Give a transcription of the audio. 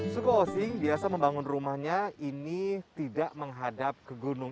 suku osing biasa membangun rumahnya ini tidak menghadap ke gunung